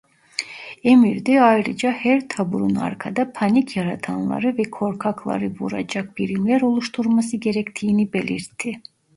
Emirde ayrıca her taburun arkada "panik yaratanları ve korkakları" vuracak birimler oluşturması gerektiğini belirtti.